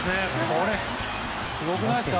これ、すごくないですか？